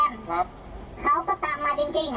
เขาก็ตามมาจริง